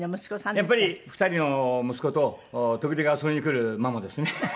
やっぱり２人の息子と時々遊びに来るママですね。